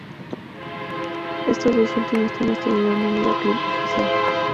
Estos dos últimos temas tuvieron un videoclip oficial.